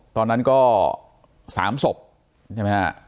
ตอนนั้นก็๓ศพใช่ไหมฮะ